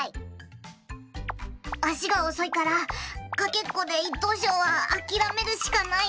あしがおそいからかけっこでいっとうしょうはあきらめるしかない？